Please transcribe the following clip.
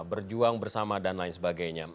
berjuang bersama dan lain sebagainya